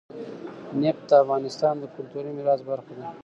نفت د افغانستان د کلتوري میراث برخه ده.